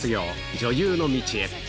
女優の道へ。